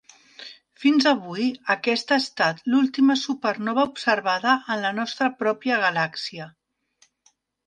Fins avui, aquesta ha estat l'última supernova observada en la nostra pròpia galàxia.